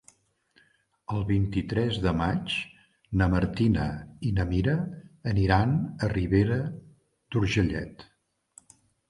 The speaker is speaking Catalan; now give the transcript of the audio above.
El vint-i-tres de maig na Martina i na Mira aniran a Ribera d'Urgellet.